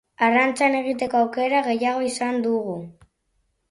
Arrantzan egiteko aukera gehiago izango dugu.